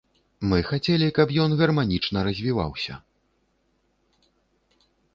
Мы хацелі, каб ён гарманічна развіваўся.